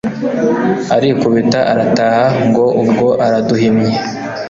Arikubita arataha ngo ubwo araduhimye